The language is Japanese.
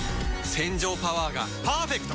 洗浄パワーがパーフェクト！